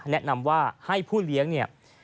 แนะนำว่าให้ผู้เลี้ยงเนี่ย